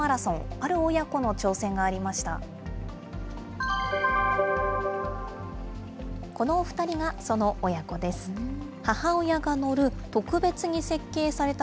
ある親子の挑戦がありました。